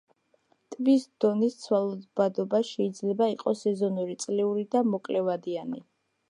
ტბის დონის ცვალებადობა შეიძლება იყოს სეზონური, წლიური და მოკლევადიანი.